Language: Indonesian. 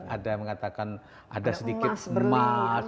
ada yang mengatakan ada sedikit emas